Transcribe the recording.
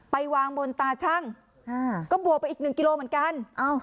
ไปวางบนตาชั่งก็บวกไปอีกหนึ่งกิโลเหมือนกัน